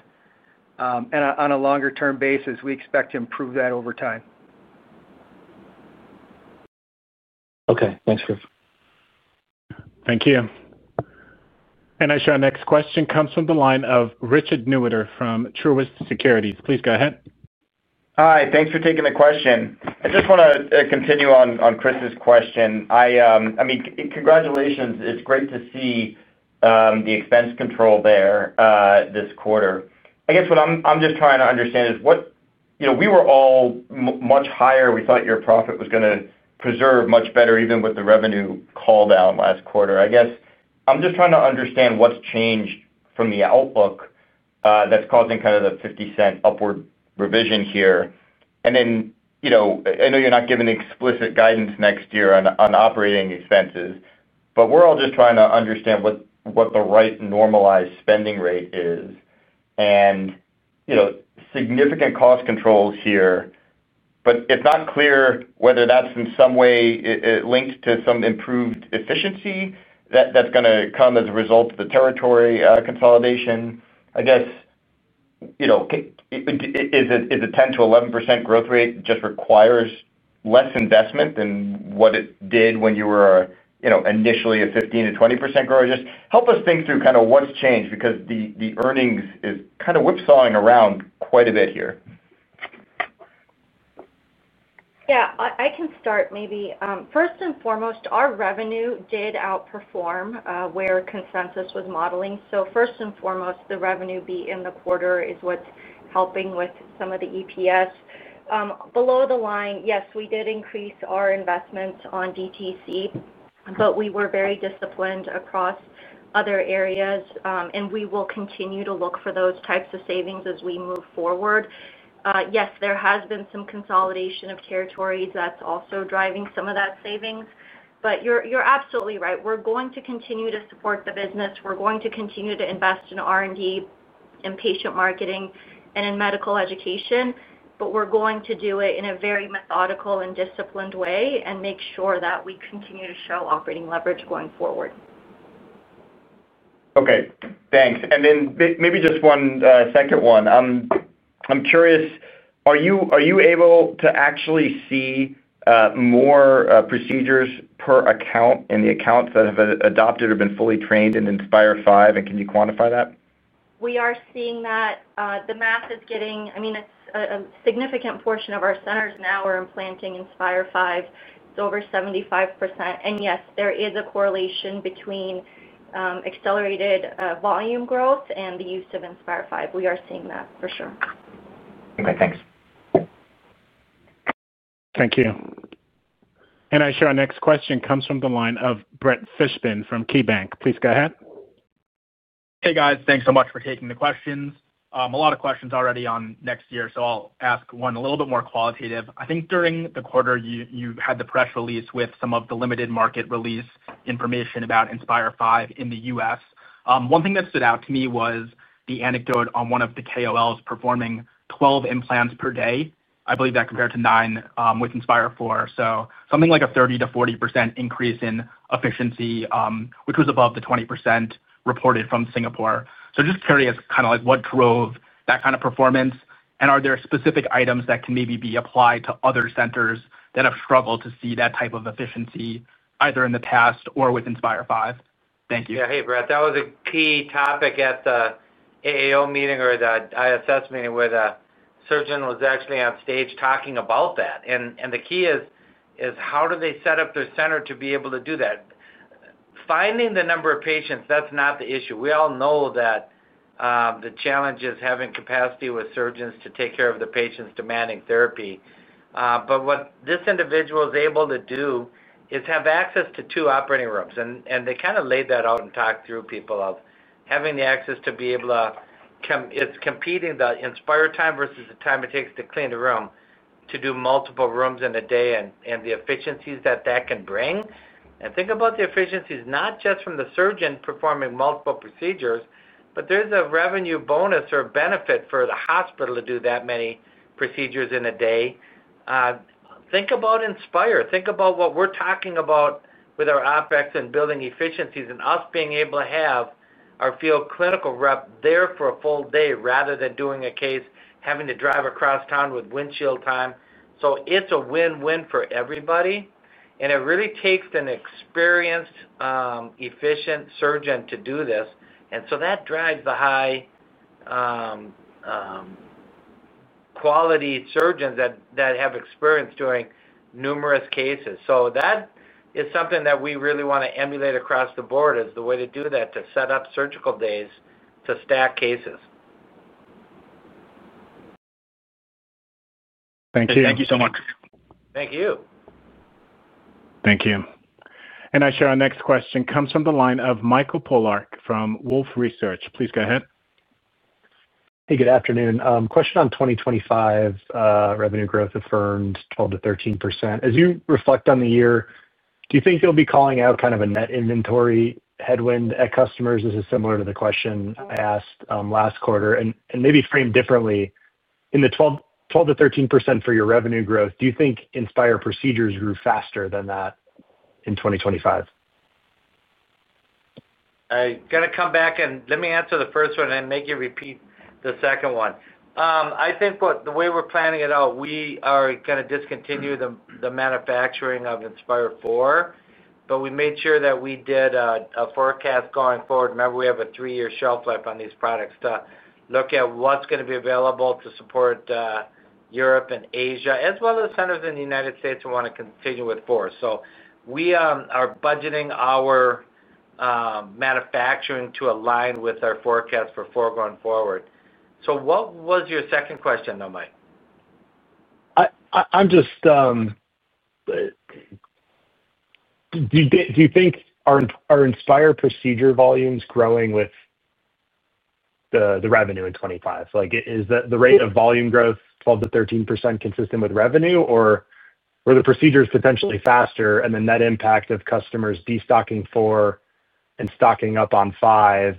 On a longer-term basis, we expect to improve that over time. Okay. Thanks, Chris. Thank you. I show our next question comes from the line of Richard Newitter from Truist Securities. Please go ahead. Hi. Thanks for taking the question. I just want to continue on Chris's question. I mean, congratulations. It's great to see the expense control there this quarter. I guess what I'm just trying to understand is we were all much higher. We thought your profit was going to preserve much better even with the revenue call down last quarter. I guess I'm just trying to understand what's changed from the outlook that's causing kind of the $0.50 upward revision here. I know you're not giving explicit guidance next year on operating expenses, but we're all just trying to understand what the right normalized spending rate is. Significant cost controls here. It's not clear whether that's in some way linked to some improved efficiency that's going to come as a result of the territory consolidation. I guess is a 10%-11% growth rate just requires less investment than what it did when you were initially a 15%-20% growth? Just help us think through kind of what's changed because the earnings is kind of whipsawing around quite a bit here. Yeah. I can start maybe. First and foremost, our revenue did outperform where consensus was modeling. So first and foremost, the revenue beat in the quarter is what's helping with some of the EPS. Below the line, yes, we did increase our investments on DTC, but we were very disciplined across other areas. We will continue to look for those types of savings as we move forward. Yes, there has been some consolidation of territories that's also driving some of that savings. You're absolutely right. We're going to continue to support the business. We're going to continue to invest in R&D and patient marketing and in medical education. We're going to do it in a very methodical and disciplined way and make sure that we continue to show operating leverage going forward. Okay. Thanks. Maybe just one second one. I'm curious, are you able to actually see more procedures per account in the accounts that have adopted or been fully trained in Inspire V? Can you quantify that? We are seeing that. The math is getting—I mean, a significant portion of our centers now are implanting Inspire V. It's over 75%. Yes, there is a correlation between accelerated volume growth and the use of Inspire V. We are seeing that for sure. Okay. Thanks. Thank you. I show our next question comes from the line of Brett Fishbin from KeyBanc. Please go ahead. Hey, guys. Thanks so much for taking the questions. A lot of questions already on next year, so I'll ask one a little bit more qualitative. I think during the quarter, you had the press release with some of the limited market release information about Inspire V in the U.S. One thing that stood out to me was the anecdote on one of the KOLs performing 12 implants per day. I believe that compared to 9 with Inspire IV. So something like a 30-40% increase in efficiency, which was above the 20% reported from Singapore. Just curious kind of what drove that kind of performance. Are there specific items that can maybe be applied to other centers that have struggled to see that type of efficiency either in the past or with Inspire V? Thank you. Yeah. Hey, Brett, that was a key topic at the AAO meeting or the ISS meeting where the surgeon was actually on stage talking about that. The key is how do they set up their center to be able to do that? Finding the number of patients, that's not the issue. We all know that. The challenge is having capacity with surgeons to take care of the patients demanding therapy. What this individual is able to do is have access to two operating rooms. They kind of laid that out and talked through people of having the access to be able to— It's competing the Inspire time versus the time it takes to clean a room to do multiple rooms in a day and the efficiencies that that can bring. Think about the efficiencies, not just from the surgeon performing multiple procedures, but there's a revenue bonus or benefit for the hospital to do that many procedures in a day. Think about Inspire. Think about what we're talking about with our OpEx and building efficiencies and us being able to have our field clinical rep there for a full day rather than doing a case having to drive across town with windshield time. It's a win-win for everybody. It really takes an experienced, efficient surgeon to do this. That drives the high-quality surgeons that have experience during numerous cases. That is something that we really want to emulate across the board as the way to do that, to set up surgical days to stack cases. Thank you. Thank you so much. Thank you. Thank you. I show our next question comes from the line of Michael Polark from Wolfe Research. Please go ahead. Hey, good afternoon. Question on 2025. Revenue growth affirmed 12%-13%. As you reflect on the year, do you think you'll be calling out kind of a net inventory headwind at customers? This is similar to the question I asked last quarter. Maybe framed differently, in the 12%-13% for your revenue growth, do you think Inspire procedures grew faster than that in 2025? I got to come back and let me answer the first one and make you repeat the second one. I think the way we're planning it out, we are going to discontinue the manufacturing of Inspire IV. We made sure that we did a forecast going forward. Remember, we have a three-year shelf life on these products to look at what's going to be available to support Europe and Asia, as well as centers in the United States who want to continue with IV. We are budgeting our manufacturing to align with our forecast for IV going forward. What was your second question though, Mike? I'm just. Do you think our Inspire procedure volume's growing with the revenue in 2025? Is the rate of volume growth 12%-13% consistent with revenue, or were the procedures potentially faster? That impact of customers destocking IV and stocking up on V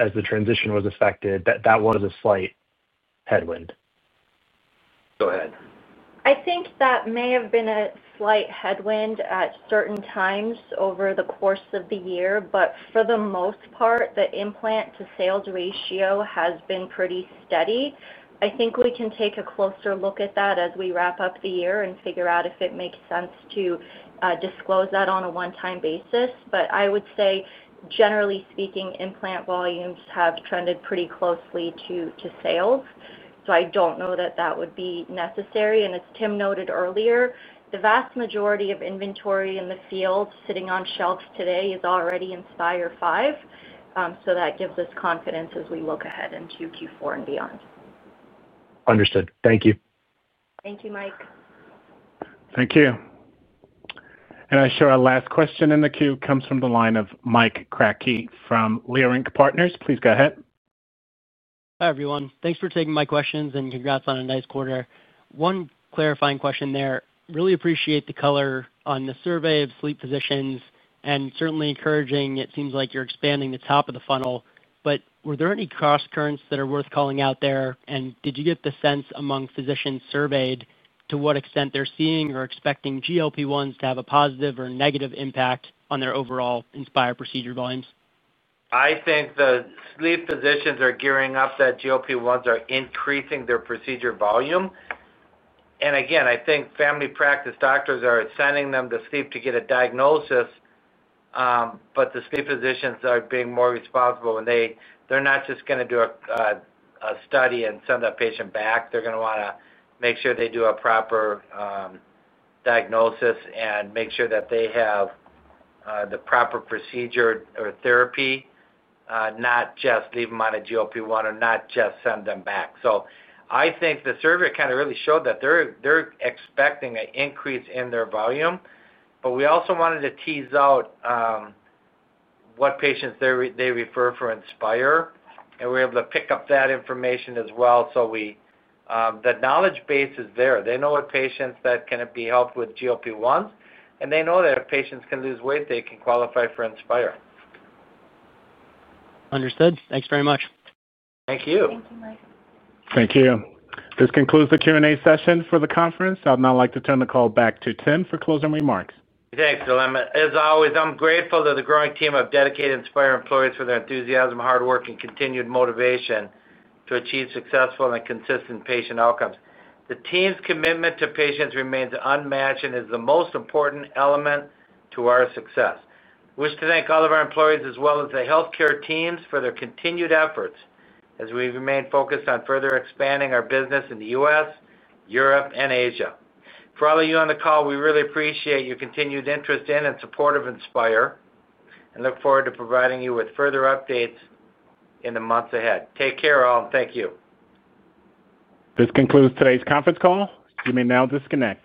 as the transition was affected, that was a slight headwind. Go ahead. I think that may have been a slight headwind at certain times over the course of the year. For the most part, the implant-to-sales ratio has been pretty steady. I think we can take a closer look at that as we wrap up the year and figure out if it makes sense to disclose that on a one-time basis. I would say, generally speaking, implant volumes have trended pretty closely to sales. I do not know that that would be necessary. As Tim noted earlier, the vast majority of inventory in the field sitting on shelves today is already Inspire V. That gives us confidence as we look ahead into Q4 and beyond. Understood. Thank you. Thank you, Mike. Thank you. I show our last question in the queue comes from the line of Mike Kratky from Leerink Partners. Please go ahead. Hi, everyone. Thanks for taking my questions and congrats on a nice quarter. One clarifying question there. Really appreciate the color on the survey of sleep physicians and certainly encouraging. It seems like you're expanding the top of the funnel. Were there any cross currents that are worth calling out there? Did you get the sense among physicians surveyed to what extent they're seeing or expecting GLP-1s to have a positive or negative impact on their overall Inspire procedure volumes? I think the sleep physicians are gearing up that GLP-1s are increasing their procedure volume. Again, I think family practice doctors are sending them to sleep to get a diagnosis. The sleep physicians are being more responsible. They're not just going to do a study and send that patient back. They're going to want to make sure they do a proper diagnosis and make sure that they have the proper procedure or therapy, not just leave them on a GLP-1 or not just send them back. I think the survey kind of really showed that they're expecting an increase in their volume. We also wanted to tease out what patients they refer for Inspire. We were able to pick up that information as well. The knowledge base is there. They know what patients that can be helped with GLP-1s, and they know that if patients can lose weight, they can qualify for Inspire. Understood. Thanks very much. Thank you. Thank you, Mike. Thank you. This concludes the Q&A session for the conference. I'd now like to turn the call back to Tim for closing remarks. Thanks, Dilem. As always, I'm grateful to the growing team of dedicated Inspire employees for their enthusiasm, hard work, and continued motivation to achieve successful and consistent patient outcomes. The team's commitment to patients remains unmatched and is the most important element to our success. I wish to thank all of our employees as well as the healthcare teams for their continued efforts as we remain focused on further expanding our business in the U.S., Europe, and Asia. For all of you on the call, we really appreciate your continued interest in and support of Inspire and look forward to providing you with further updates in the months ahead. Take care, all, and thank you. This concludes today's conference call. You may now disconnect.